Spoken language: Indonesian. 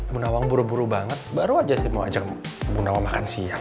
bu nawang buru buru banget baru aja saya mau ajak bu nawa makan siang